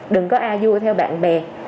đừng có a du theo bạn bè